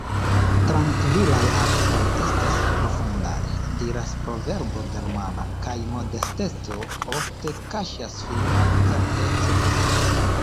« Trankvilaj akvoj estas profundaj », diras proverbo germana, kaj modesteco ofte kaŝas firman certecon.